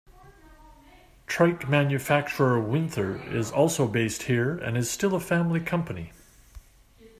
Trike manufacturer Winther is also based here, and is still a family company.